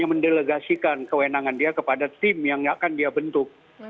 yang mendelegasikan kewenangan dia kepada tim yang akan dia bentuk